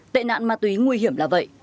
tệ nạn ma túy nguy hiểm là vậy